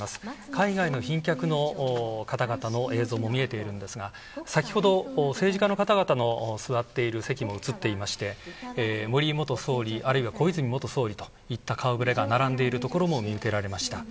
海外の賓客の方々の映像も見えているんですが先ほど政治家の方々の座っている席も映っていまして、森元総理あるいは小泉元総理といった顔ぶれが並んでいるところも見受けられました。